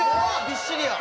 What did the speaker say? びっしりや。